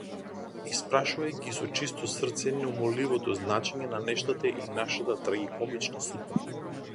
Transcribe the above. Испрашувај ги со чисто срце неумоливото значење на нештата и нашата трагикомична судба.